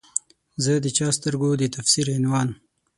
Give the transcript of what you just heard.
زه د چا د سترګو د تفسیر عنوان